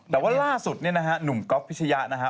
แต่ว่าล่าสุดเนี่ยนะฮะหนุ่มก๊อฟพิชยะนะฮะ